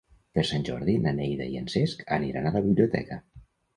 Per Sant Jordi na Neida i en Cesc aniran a la biblioteca.